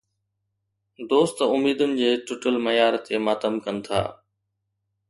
دوست اميدن جي ٽٽل معيار تي ماتم ڪن ٿا.